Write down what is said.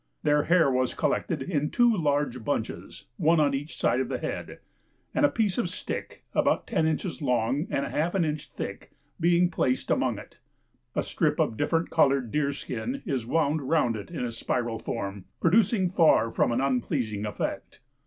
Their hair was collected in two large bunches, one on each side of the head; and a piece of stick about ten inches long and half an inch thick being placed among it, a strip of different coloured deer skin is wound round it in a spiral form, producing far from an unpleasing effect.